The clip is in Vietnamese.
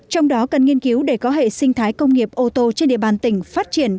trong đó cần nghiên cứu để có hệ sinh thái công nghiệp ô tô trên địa bàn tỉnh phát triển